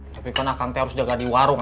tapi kan akang teh harus jaga di warung